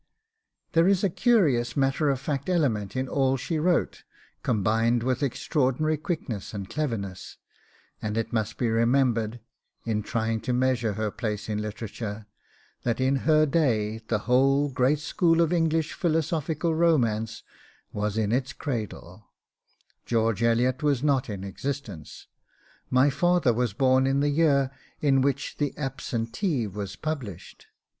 There is a curious matter of fact element in all she wrote, combined with extraordinary quickness and cleverness; and it must be remembered, in trying to measure her place in literature, that in her day the whole great school of English philosophical romance was in its cradle; George Eliot was not in existence; my father was born in the year in which THE ABSENTEE was published.